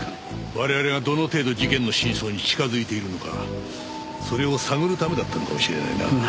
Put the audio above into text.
我々がどの程度事件の真相に近づいているのかそれを探るためだったのかもしれないな。